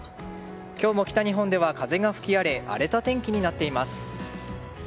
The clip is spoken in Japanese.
今日も北日本では風が吹き荒れ荒れた天気になっています。